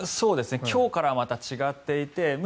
今日からはまた違っていて。